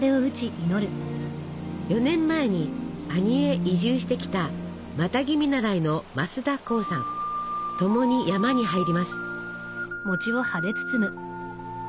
４年前に阿仁へ移住してきたマタギ見習いの共に山に入ります。